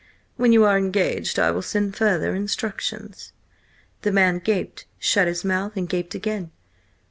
When you are engaged I will send further instructions." The man gaped, shut his mouth, and gaped again.